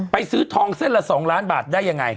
ซื้อทองเส้นละ๒ล้านบาทได้ยังไง